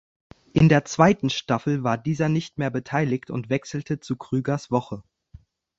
In der zweiten Staffel war dieser nicht mehr beteiligt und wechselte zu Krügers Woche.